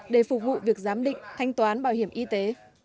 để phục vụ việc giám định thanh toán bảo hiểm y tế